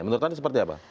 menurut anda seperti apa